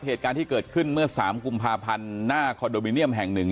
เหตุการณ์ที่เกิดขึ้นเมื่อ๓กุมภาพันธ์หน้าคอนโดมิเนียมแห่งหนึ่ง